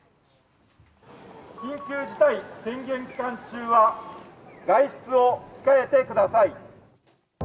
緊急事態宣言期間中は、外出を控えてください。